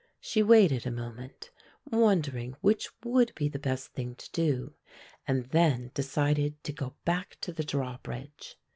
She waited a moment wondering which would be the best thing to do and then decided to go back to the drawbridge.